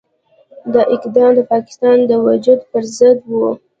دا اقدام د پاکستان د وجود پرضد وو.